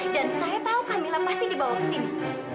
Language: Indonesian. dan saya tau camilla pasti dibawa kesini